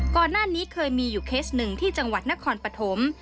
ก่อนหน้านี้เคยมีอยู่เคสหนึ่งที่จังหวัดนครปฐม